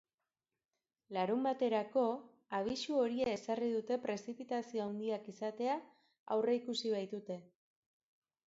Larunbaterako, abisu horia ezarri dute prezipitazio handiak izatea aurreikusi baitute.